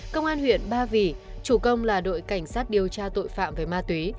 công an huyện ba vì chủ công là đội cảnh sát điều tra tội phạm về ma túy